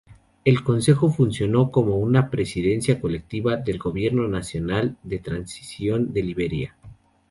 El consejo funcionó como una presidencia colectiva del Gobierno Nacional de Transición de Liberia.